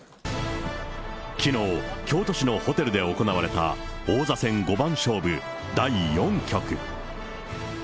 きのう、京都市のホテルで行われた王座戦五番勝負第４局。